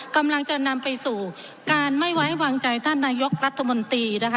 กำลังจะนำไปสู่การไม่ไว้วางใจท่านนายกรัฐมนตรีนะคะ